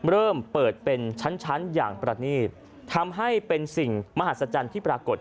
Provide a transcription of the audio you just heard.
เริ่มเปิดเป็นชั้นอย่างประนีตทำให้เป็นสิ่งมหัศจรรย์ที่ปรากฏ